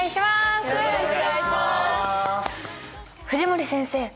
藤森先生